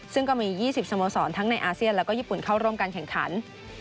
ซึ่งก็มี๒๐สโมสรทั้งในอาเซียนแล้วก็ญี่ปุ่นเข้าร่วมการแข่งขัน